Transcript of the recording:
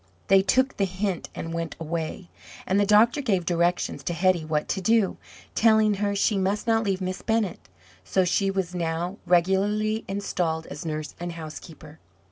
They took the hint and went away, and the doctor gave directions to Hetty what to do, telling her she must not leave Miss Bennett. So she was now regularly installed as nurse and housekeeper.